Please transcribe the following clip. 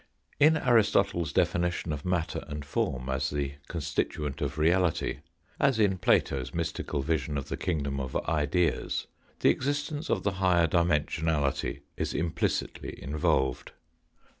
In Aristotle's definition of matter and form as the constituent of reality, as in Plato's mystical vision of the kingdom of ideas, the existence of the higher Jimension ality is implicitly involved.